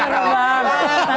jangan sebut merek